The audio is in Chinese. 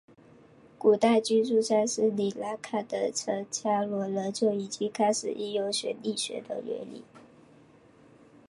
古代居住在斯里兰卡的僧伽罗人就已经开始应用水力学的原理。